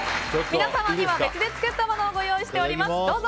皆様には別で作ったものをご用意しております。